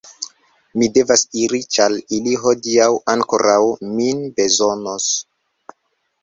Mi devas iri ĉar ili hodiaŭ ankoraŭ min bezonos.